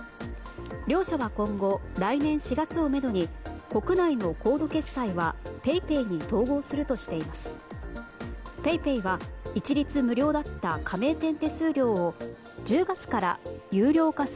両社は今後、来年４月をめどに国内のコード決済はＰａｙＰａｙに統合するとしています。